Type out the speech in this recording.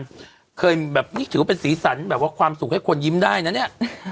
เคยแบบนี้ถือว่าเป็นสีสันแบบว่าความสุขให้คนยิ้มได้นะเนี่ย